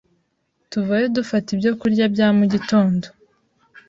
tuvayo dufata ibyo kurya bya mugitondo